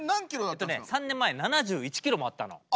えっとね３年前７１キロもあったの。